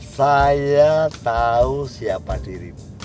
saya tau siapa dirimu